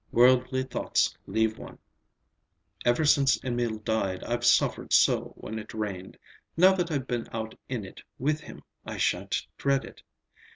Worldly thoughts leave one. Ever since Emil died, I've suffered so when it rained. Now that I've been out in it with him, I shan't dread it.